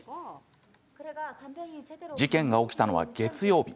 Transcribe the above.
事件が起きたのは月曜日。